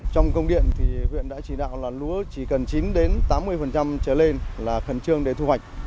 trong công điện thì huyện đã chỉ đạo là lúa chỉ cần chín tám mươi trở lên là khẩn trương để thu hoạch